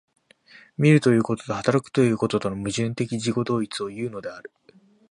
見るということと働くということとの矛盾的自己同一をいうのである。